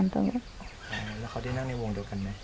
ต่อมาสินะครับ